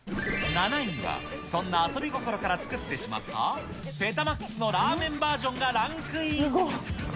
７位には、そんな遊び心から作ってしまって、ペタマックスのラーメンバージョンがランクイン。